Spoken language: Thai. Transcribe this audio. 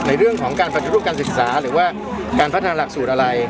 ในเรื่องของการปฏิรูปการศึกษาหรือว่าการพัฒนาหลักสูตรอะไร